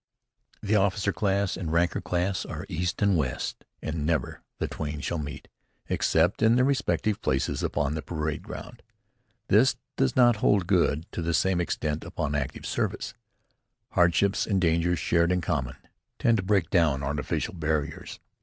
The officer class and the ranker class are east and west, and never the twain shall meet, except in their respective places upon the parade ground. This does not hold good, to the same extent, upon active service. Hardships and dangers, shared in common, tend to break down artificial barriers.